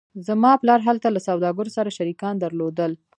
زما پلار هلته له سوداګرو سره شریکان درلودل